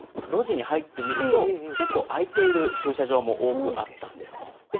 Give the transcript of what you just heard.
一本路地に入ってみると、結構空いている駐車場も多くあったんです。